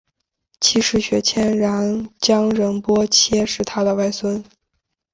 七世雪谦冉江仁波切是他的外孙。